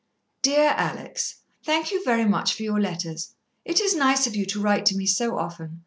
"DEAR ALEX, "Thank you very much for your letters. It is nice of you to write to me so often.